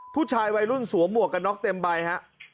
ผู้ชายวัยรุ่นสวมหัวกระน็อกเต็มใบนะครับ